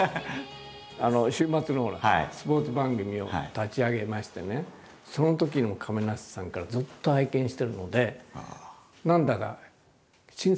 週末のスポーツ番組を立ち上げましてねそのときの亀梨さんからずっと拝見してるので何だか親戚のような感じっていうか。